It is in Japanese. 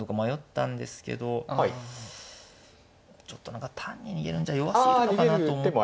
何か単に逃げるんじゃ弱すぎるのかなと思ってですね。